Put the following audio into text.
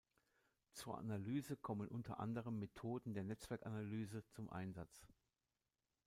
Zur Analyse kommen unter anderem Methoden der Netzwerkanalyse zum Einsatz.